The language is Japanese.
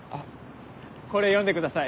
これ読んでください。